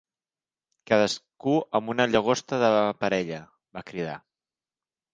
"Cadascú amb una llagosta de parella", va cridar.